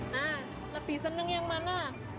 nah lebih seneng yang mana